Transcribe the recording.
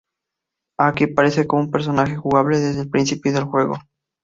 Aquí aparece como personaje jugable desde el principio del juego.